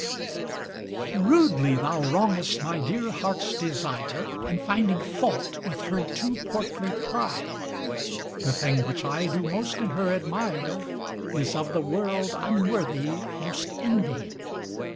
V Rudely thou wrongest my dear heart's desire, In finding fault with her too portly pride: The thing which I do most in her admire, Is of the world unworthy most envied.